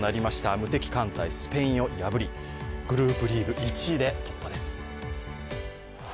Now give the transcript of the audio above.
無敵艦隊、スペインを破りグループリーグ１位で突破です。